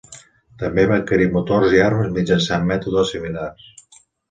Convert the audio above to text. També va adquirir motors i armes mitjançant mètodes similars.